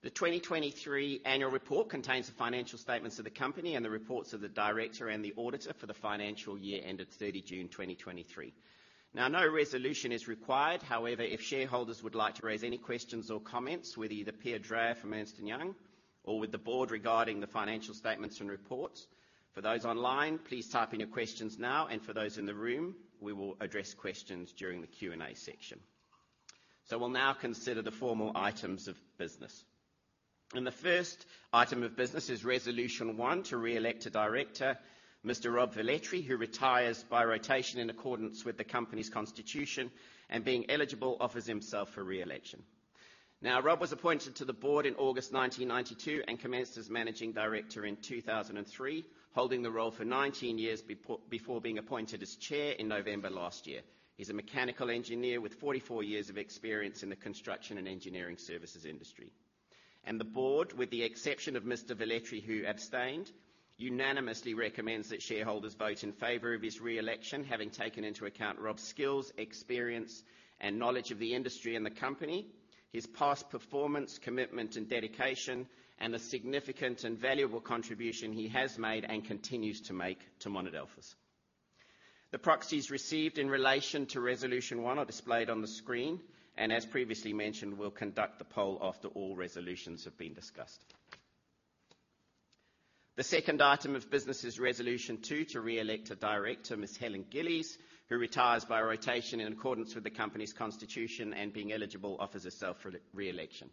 The 2023 annual report contains the financial statements of the company and the reports of the directors and the auditor for the financial year ended 30 June 2023. Now, no resolution is required. However, if shareholders would like to raise any questions or comments with either Pia Dreyer from Ernst & Young or with the Board regarding the financial statements and reports, for those online, please type in your questions now, and for those in the room, we will address questions during the Q&A section. So we'll now consider the formal items of business. The first item of business is Resolution 1, to re-elect a director, Mr. Rob Velletri, who retires by rotation in accordance with the company's constitution, and being eligible, offers himself for re-election. Now, Rob was appointed to the Board in August 1992 and commenced as Managing Director in 2003, holding the role for 19 years before being appointed as Chair in November last year. He's a mechanical engineer with 44 years of experience in the construction and engineering services industry. The Board, with the exception of Mr. Velletri, who abstained, unanimously recommends that shareholders vote in favor of his re-election, having taken into account Rob's skills, experience, and knowledge of the industry and the company, his past performance, commitment, and dedication, and the significant and valuable contribution he has made and continues to make to Monadelphous. The proxies received in relation to Resolution 1 are displayed on the screen, and as previously mentioned, we'll conduct the poll after all resolutions have been discussed. The second item of business is Resolution 2, to re-elect a Director, Ms. Helen Gillies, who retires by rotation in accordance with the company's constitution, and being eligible, offers herself for re-election.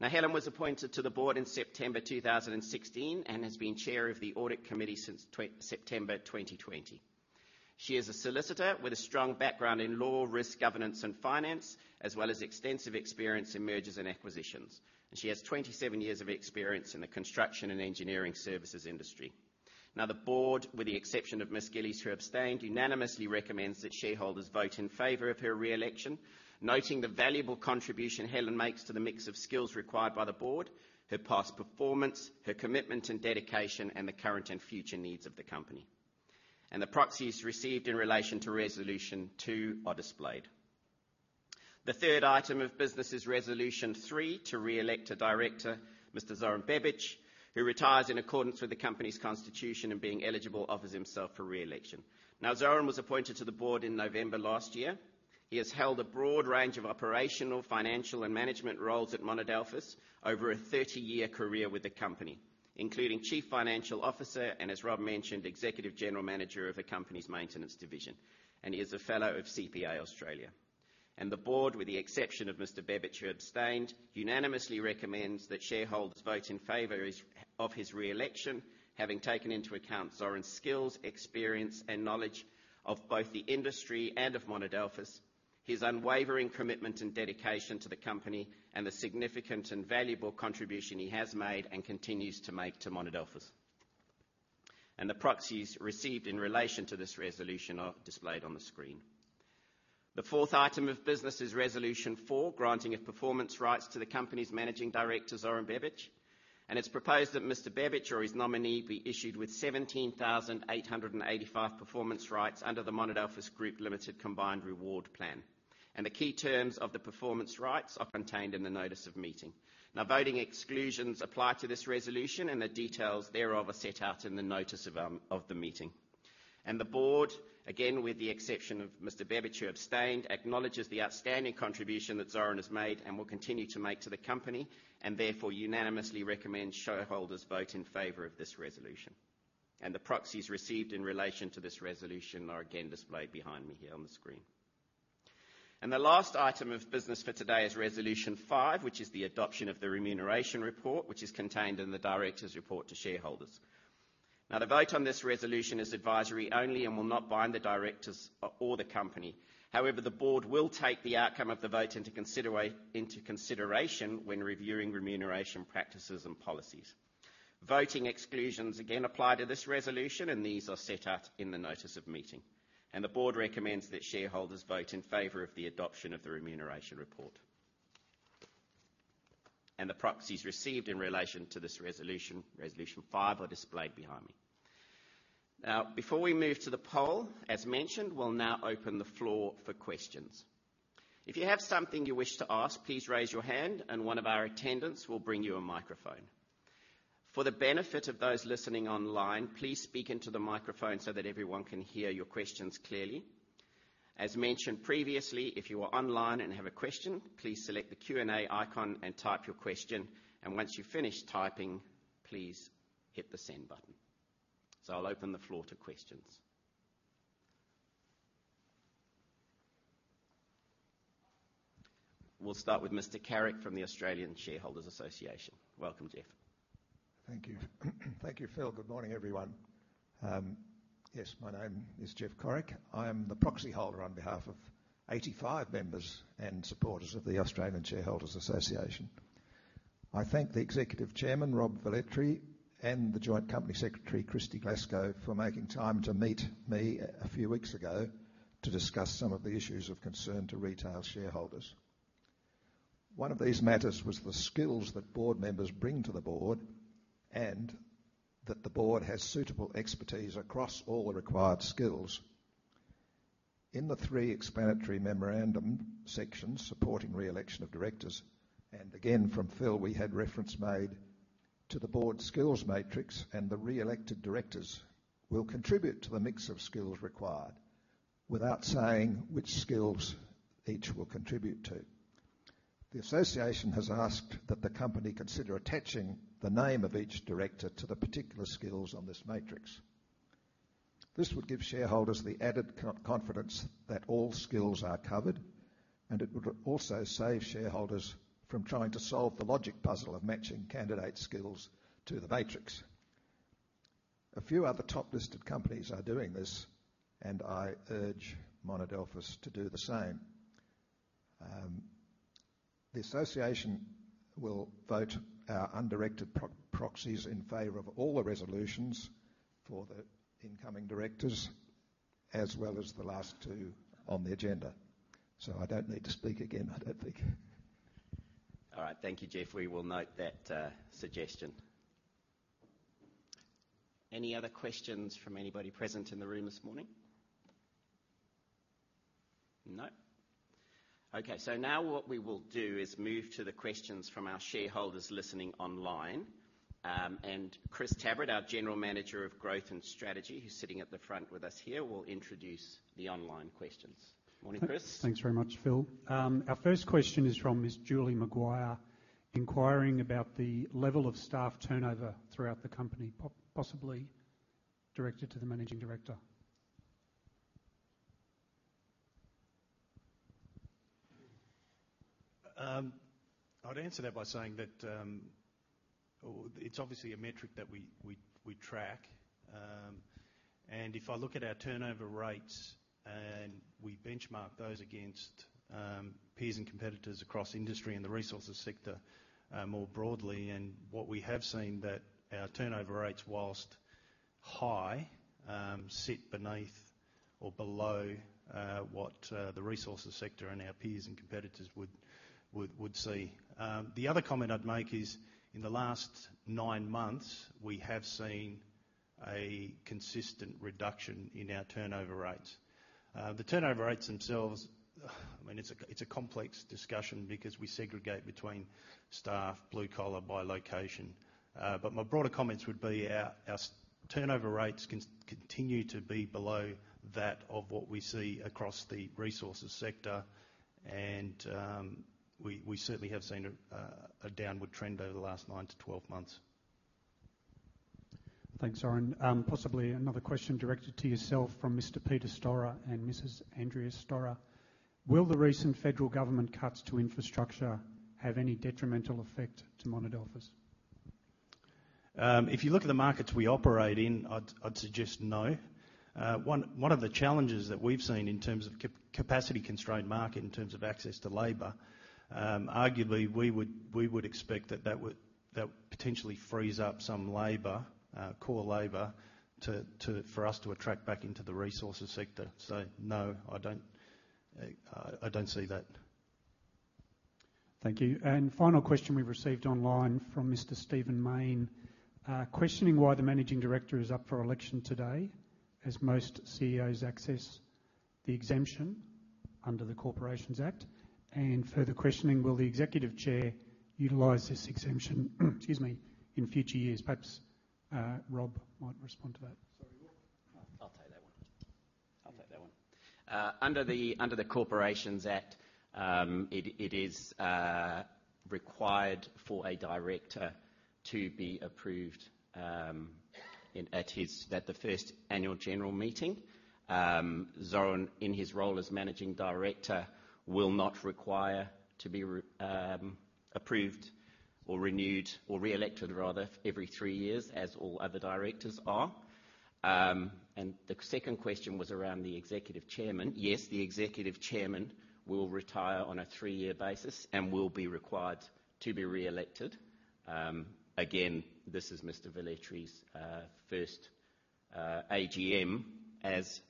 Now, Helen was appointed to the Board in September 2016, and has been Chair of the Audit Committee since September 2020. She is a solicitor with a strong background in law, risk, governance, and finance, as well as extensive experience in mergers and acquisitions. And she has 27 years of experience in the construction and engineering services industry. Now, the Board, with the exception of Ms. Gillies, who abstained, unanimously recommends that shareholders vote in favor of her re-election, noting the valuable contribution Helen makes to the mix of skills required by the Board, her past performance, her commitment and dedication, and the current and future needs of the company. The proxies received in relation to Resolution 2 are displayed. The third item of business is Resolution 3, to re-elect a Director, Mr. Zoran Bebic, who retires in accordance with the Company's constitution and, being eligible, offers himself for re-election. Now, Zoran was appointed to the Board in November last year. He has held a broad range of operational, financial, and management roles at Monadelphous over a 30-year career with the company, including Chief Financial Officer, and as Rob mentioned, Executive General Manager of the company's Maintenance division, and he is a Fellow of CPA Australia. The Board, with the exception of Mr. Bebic, who abstained, unanimously recommends that shareholders vote in favor of his re-election, having taken into account Zoran's skills, experience, and knowledge of both the industry and of Monadelphous, his unwavering commitment and dedication to the company, and the significant and valuable contribution he has made and continues to make to Monadelphous. The proxies received in relation to this resolution are displayed on the screen. The fourth item of business is Resolution 4, granting of performance rights to the company's Managing Director, Zoran Bebic, and it's proposed that Mr. Bebic or his nominee be issued with 17,885 performance rights under the Monadelphous Group Limited Combined Reward Plan. The key terms of the performance rights are contained in the notice of meeting. Now, voting exclusions apply to this resolution, and the details thereof are set out in the Notice of the Meeting. The Board, again, with the exception of Mr. Bebic, who abstained, acknowledges the outstanding contribution that Zoran has made and will continue to make to the company, and therefore unanimously recommends shareholders vote in favor of this resolution. The proxies received in relation to this resolution are again displayed behind me here on the screen. The last item of business for today is Resolution 5, which is the adoption of the Remuneration Report, which is contained in the irectors' report to shareholders. Now, the vote on this resolution is advisory only and will not bind the Directors or the company. However, the Board will take the outcome of the vote into consideration when reviewing remuneration practices and policies. Voting exclusions again apply to this resolution, and these are set out in the notice of meeting. The Board recommends that shareholders vote in favor of the adoption of the Remuneration Report. The proxies received in relation to this resolution, Resolution 5, are displayed behind me. Now, before we move to the poll, as mentioned, we'll now open the floor for questions. If you have something you wish to ask, please raise your hand, and one of our attendants will bring you a microphone. For the benefit of those listening online, please speak into the microphone so that everyone can hear your questions clearly. As mentioned previously, if you are online and have a question, please select the Q&A icon and type your question, and once you've finished typing, please hit the send button. I'll open the floor to questions. We'll start with Mr. Carrick from the Australian Shareholders Association. Welcome, Geoff. Thank you. Thank you, Phil. Good morning, everyone. Yes, my name is Geoff Carrick. I am the proxyholder on behalf of 85 members and supporters of the Australian Shareholders Association. I thank the Executive Chairman, Rob Velletri, and the Joint Company Secretary, Kristy Glasgow, for making time to meet me a few weeks ago to discuss some of the issues of concern to retail shareholders. One of these matters was the skills that Board members bring to the Board, and that the Board has suitable expertise across all the required skills. In the three explanatory memorandum sections supporting re-election of Directors, and again from Phil, we had reference made to the Board's Skills Matrix, and the re-elected Directors will contribute to the mix of skills required without saying which skills each will contribute to. The Association has asked that the company consider attaching the name of each Director to the particular skills on this matrix. This would give shareholders the added confidence that all skills are covered, and it would also save shareholders from trying to solve the logic puzzle of matching candidate skills to the matrix. A few other top-listed companies are doing this, and I urge Monadelphous to do the same. The Association will vote our undirected proxies in favor of all the resolutions for the incoming Directors, as well as the last two on the agenda. So I don't need to speak again, I don't think.... All right. Thank you, Geoff. We will note that suggestion. Any other questions from anybody present in the room this morning? No? Okay, so now what we will do is move to the questions from our shareholders listening online. Chris Tabrett, our General Manager of Growth and Strategy, who's sitting at the front with us here, will introduce the online questions. Morning, Chris. Thanks very much, Phil. Our first question is from Ms. Julie McGuire, inquiring about the level of staff turnover throughout the company, possibly directed to the Managing Director. I'd answer that by saying that, well, it's obviously a metric that we track. And if I look at our turnover rates and we benchmark those against, peers and competitors across industry and the resources sector, more broadly, and what we have seen that our turnover rates, whilst high, sit beneath or below, what the resources sector and our peers and competitors would see. The other comment I'd make is, in the last nine months, we have seen a consistent reduction in our turnover rates. The turnover rates themselves, I mean, it's a complex discussion because we segregate between staff, blue collar, by location. But my broader comments would be our turnover rates continue to be below that of what we see across the resources sector, and we certainly have seen a downward trend over the last 9-12 months. Thanks, Zoran. Possibly another question directed to yourself from Mr. Peter Storer and Mrs. Andrea Storer: Will the recent federal government cuts to infrastructure have any detrimental effect to Monadelphous? If you look at the markets we operate in, I'd suggest no. One of the challenges that we've seen in terms of capacity-constrained market, in terms of access to labor, arguably, we would expect that would potentially freeze up some labor, core labor, for us to attract back into the resources sector. So no, I don't see that. Thank you. Final question we've received online from Mr. Stephen Mayne, questioning why the Managing Director is up for election today, as most CEOs access the exemption under the Corporations Act, and further questioning, will the Executive Chair utilize this exemption, excuse me, in future years? Perhaps, Rob might respond to that. Sorry, what? I'll take that one. I'll take that one. Under the Corporations Act, it is required for a Director to be approved at the first annual general meeting. Zoran, in his role as Managing Director, will not require to be approved or renewed, or reelected rather, every three years, as all other Directors are. And the second question was around the Executive Chairman. Yes, the Executive Chairman will retire on a three-year basis and will be required to be reelected. Again, this is Mr. Velletri's first AGM as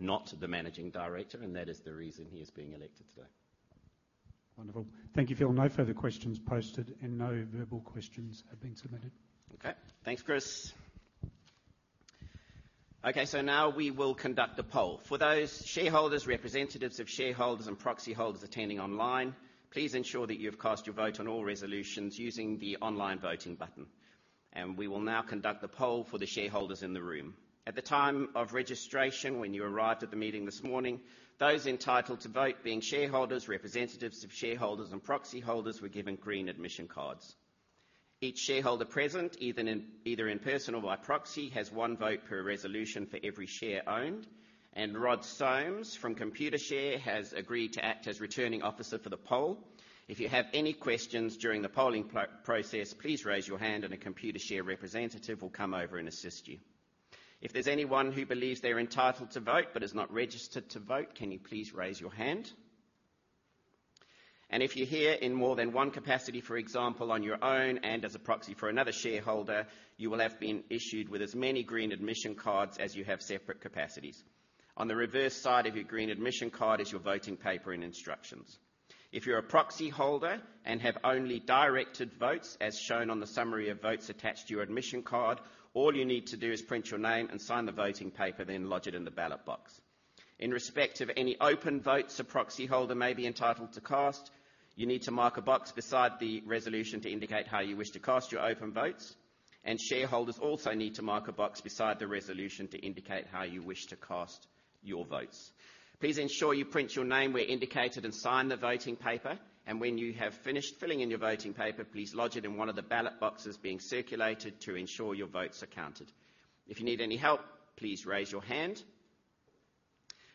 not the Managing Director, and that is the reason he is being elected today. Wonderful. Thank you, Phil. No further questions posted and no verbal questions have been submitted. Okay. Thanks, Chris. Okay, now we will conduct a poll. For those shareholders, representatives of shareholders, and proxyholders attending online, please ensure that you have cast your vote on all resolutions using the online voting button. We will now conduct the poll for the shareholders in the room. At the time of registration, when you arrived at the meeting this morning, those entitled to vote, being shareholders, representatives of shareholders, and proxyholders, were given green admission cards. Each shareholder present, either in person or by proxy, has one vote per resolution for every share owned. Rod Soames from Computershare has agreed to act as Returning Officer for the poll. If you have any questions during the polling process, please raise your hand, and a Computershare representative will come over and assist you. If there's anyone who believes they're entitled to vote but is not registered to vote, can you please raise your hand? And if you're here in more than one capacity, for example, on your own and as a proxy for another shareholder, you will have been issued with as many green admission cards as you have separate capacities. On the reverse side of your green admission card is your voting paper and instructions. If you're a proxyholder and have only directed votes, as shown on the summary of votes attached to your admission card, all you need to do is print your name and sign the voting paper, then lodge it in the ballot box. In respect of any open votes a proxyholder may be entitled to cast, you need to mark a box beside the resolution to indicate how you wish to cast your open votes, and shareholders also need to mark a box beside the resolution to indicate how you wish to cast your votes. Please ensure you print your name where indicated and sign the voting paper, and when you have finished filling in your voting paper, please lodge it in one of the ballot boxes being circulated to ensure your votes are counted. If you need any help, please raise your hand,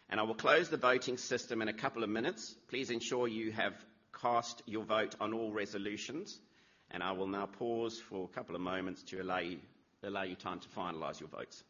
and I will close the voting system in a couple of minutes. Please ensure you have cast your vote on all resolutions, and I will now pause for a couple of moments to allow you, allow you time to finalize your votes.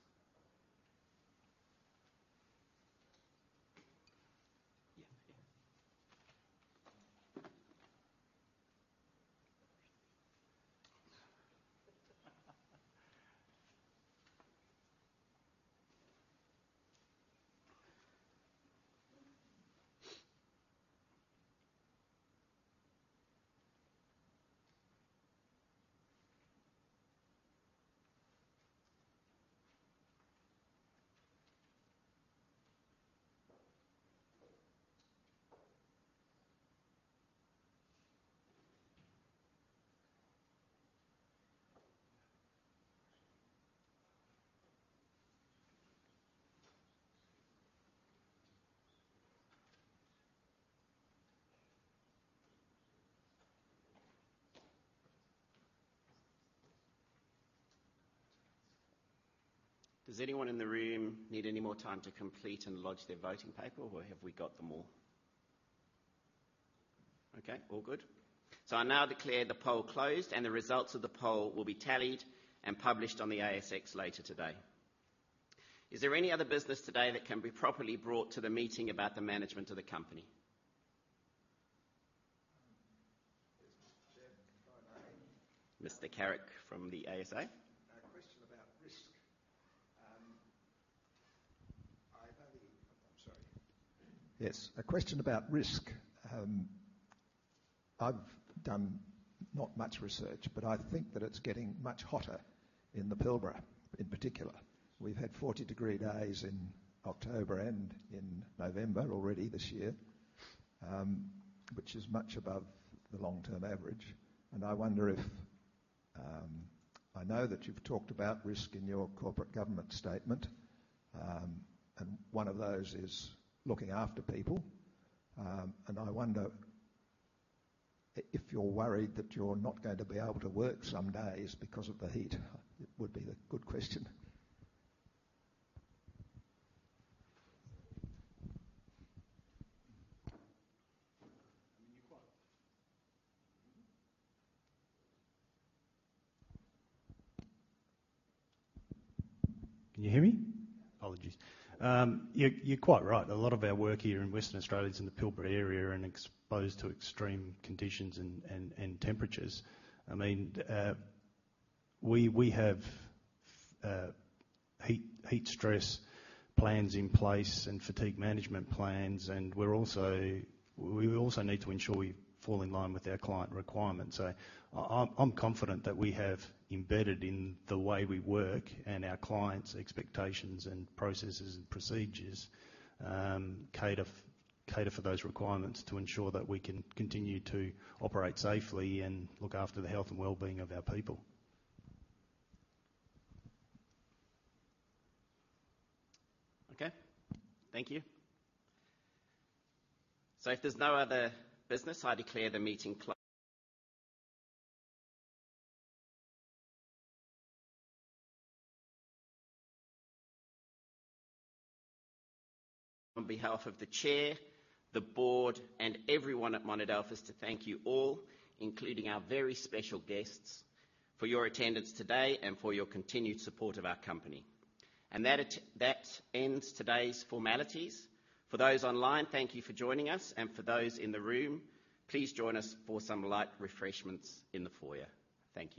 Yeah, yeah.... Does anyone in the room need any more time to complete and lodge their voting paper, or have we got them all? Okay, all good. So I now declare the poll closed, and the results of the poll will be tallied and published on the ASX later today. Is there any other business today that can be properly brought to the meeting about the management of the company? Yes, Chair, Mr. Carrick from the ASA. A question about risk. I've done not much research, but I think that it's getting much hotter in the Pilbara, in particular. We've had 40-degree days in October and in November already this year, which is much above the long-term average. And I wonder if... I know that you've talked about risk in your corporate governance statement, and one of those is looking after people. And I wonder if you're worried that you're not going to be able to work some days because of the heat, it would be the good question. Can you hear me? Apologies. You're quite right. A lot of our work here in Western Australia is in the Pilbara area and exposed to extreme conditions and temperatures. I mean, we have heat stress plans in place and fatigue management plans, and we also need to ensure we fall in line with our client requirements. So I'm confident that we have embedded in the way we work and our clients' expectations and processes and procedures cater for those requirements to ensure that we can continue to operate safely and look after the health and well-being of our people. Okay. Thank you. So if there's no other business, I declare the meeting clo— On behalf of the Chair, the Board, and everyone at Monadelphous, to thank you all, including our very special guests, for your attendance today and for your continued support of our company. That ends today's formalities. For those online, thank you for joining us, and for those in the room, please join us for some light refreshments in the foyer. Thank you.